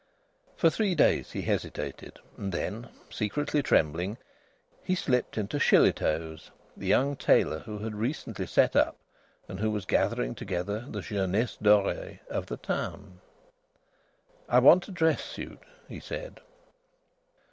For three days he hesitated, and then, secretly trembling, he slipped into Shillitoe's, the young tailor who had recently set up, and who was gathering together the jeunesse dorée of the town. "I want a dress suit," he said.